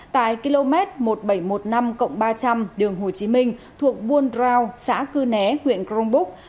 tại km một nghìn bảy trăm một mươi năm ba trăm linh đường hồ chí minh thuộc buôn rau xã cư né huyện cronbuk